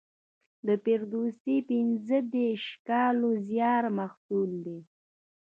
د فردوسي پنځه دېرش کالو زیار محصول دی.